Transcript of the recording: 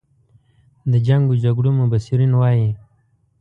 د جنګ و جګړو مبصرین وایي.